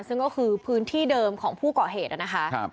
ซึ่งก็คือพื้นที่เดิมของผู้ก่อเหตุนะคะ